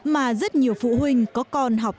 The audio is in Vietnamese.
mà rất nhiều phụ huynh có con học